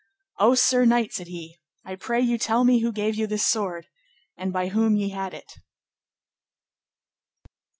O sir knight, said he, I pray you tell me who gave you this sword, and by whom ye had it.